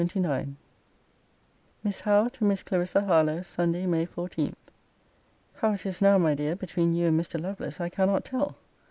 LETTER XXIX MISS HOWE, TO MISS CLARISSA HARLOWE SUNDAY, MAY 14. How it is now, my dear, between you and Mr. Lovelace, I cannot tell.